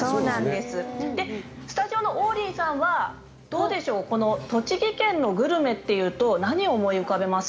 スタジオの王林さんはどうでしょう、この栃木県のグルメっていうと何を思い浮かべます？